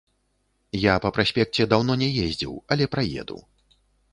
Я па праспекце даўно не ездзіў, але праеду.